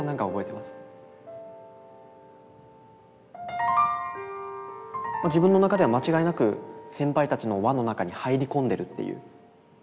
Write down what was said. まあ自分の中では間違いなく先輩たちの輪の中に入り込んでるっていう。